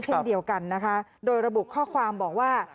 เช่นเดียวกันนะคะโดยระบุข้อความบอกว่า